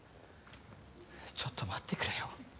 ちょっと待ってくれよ。